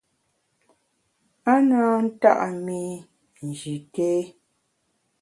A na nta’ mi Nji té.